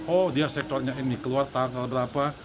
oh dia sektornya ini keluar tanggal berapa